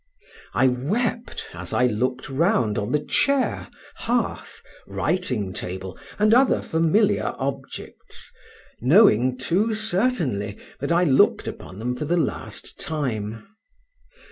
I wept as I looked round on the chair, hearth, writing table, and other familiar objects, knowing too certainly that I looked upon them for the last time.